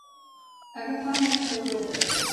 Agafar amb el sarró ple.